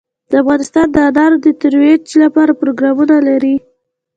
افغانستان د انار د ترویج لپاره پروګرامونه لري.